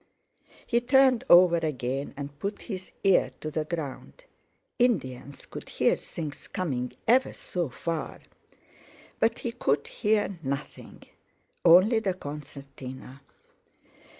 He turned over again and put his ear to the ground—Indians could hear things coming ever so far—but he could hear nothing—only the concertina!